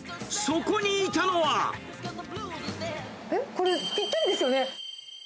これ、ぴったりですよね。